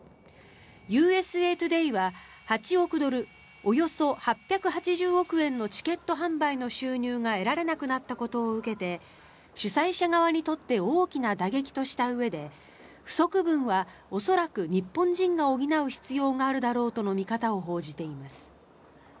ＵＳＡトゥデーは８億ドル、およそ８８０億円のチケット販売の収入が得られなくなったことを受けて主催者側にとって大きな打撃としたうえで不足分は恐らく日本人が補う必要があるだろうとの見方を報じています。